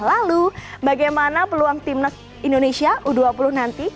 lalu bagaimana peluang timnas indonesia u dua puluh nanti